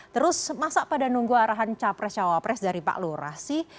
terus masa pada nunggu arahan capres cawapres dari pak lurah sih